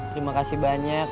terima kasih banyak